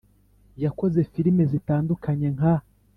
Yakoze filime zitandukanye nka